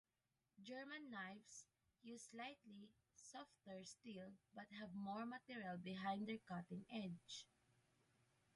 German knives use slightly "softer" steel, but have more material behind their cutting edge.